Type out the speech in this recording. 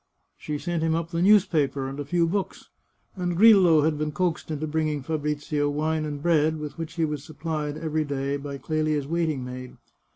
She sent him up the newspaper and a few books, and Grillo had been coaxed into bringing Fabrizio wine and bread, with which he was supplied every day by Clelia's waiting maid.